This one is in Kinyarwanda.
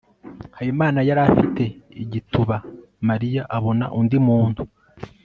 habimana yari afite igituba mariya abona undi muntu